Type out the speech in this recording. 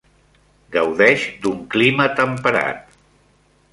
Gaudeix d'un clima temperat.